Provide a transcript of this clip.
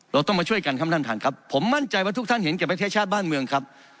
เราต้องมาช่วยกันครับท่านท่านครับผมมั่นใจว่าทุกท่านเห็นแก่ประเทศชาติบ้านเมืองครับ